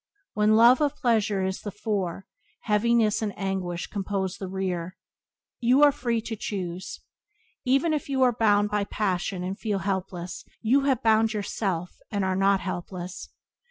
When love of pleasure is to the fore, heaviness and anguish compose the rear. You are free to choose. Even if you are bound by passion, and feel helpless, you have bound yourself, and are not helpless.